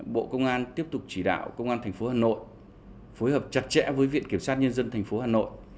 bộ công an tiếp tục chỉ đạo công an tp hà nội phối hợp chặt chẽ với viện kiểm sát nhân dân tp hà nội